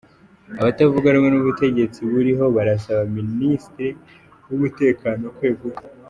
Abatavuga rumwe n’ubutegetsi buriho barasaba Minisitiri w’Umutekano kwegura